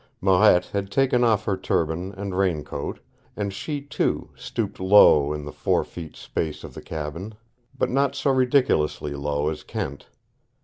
Marette had taken off her turban and rain coat, and she, too, stooped low in the four feet space of the cabin but not so ridiculously low as Kent.